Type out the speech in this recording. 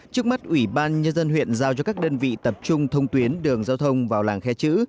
trước mắt ủy ban nhân dân huyện giao cho các đơn vị tập trung thông tuyến đường giao thông vào làng khe chữ